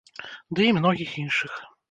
Ды і многіх іншых.